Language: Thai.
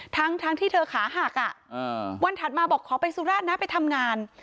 ทั้งที่เธอขาหักวันถัดมาบอกขอไปสุราชนะไปทำงาน